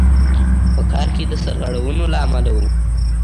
په کار کې د سرغړونو له امله وو.